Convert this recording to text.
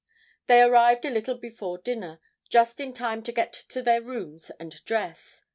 They arrived a little before dinner; just in time to get to their rooms and dress.